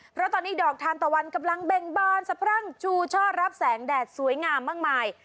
เพราะตอนนี้ดอกทานตะวันกำลังเบ่งบานสะพรั่งชูช่อรับแสงแดดสวยงามมากมาย